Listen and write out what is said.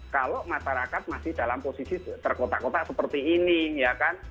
kalau masyarakat masih dalam posisi terkotak kotak seperti ini ya kan